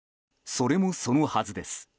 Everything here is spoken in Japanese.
それもそのはずです。